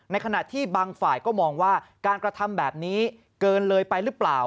ขณะที่บางฝ่ายก็มองว่าการกระทำแบบนี้เกินเลยไปหรือเปล่า